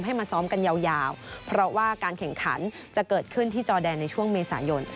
มาซ้อมกันยาวเพราะว่าการแข่งขันจะเกิดขึ้นที่จอแดนในช่วงเมษายน